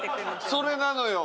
それなのよ！